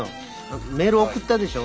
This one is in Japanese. メール送ったでしょ？